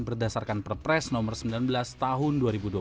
berdasarkan perpres nomor sembilan belas tahun dua ribu dua puluh